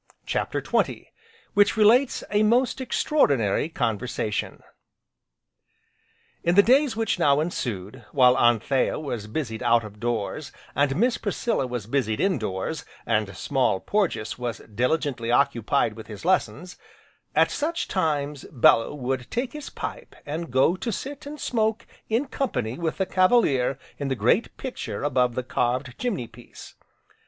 CHAPTER XX Which relates a most extraordinary conversation In the days which now ensued, while Anthea was busied out of doors and Miss Priscilla was busied indoors, and Small Porges was diligently occupied with his lessons, at such times, Bellew would take his pipe and go to sit and smoke in company with the Cavalier in the great picture above the carved chimney piece.